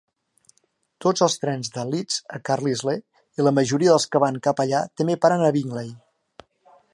Tots els trens de Leeds a Carlisle i la majoria dels que van cap allà també paren a Bingley.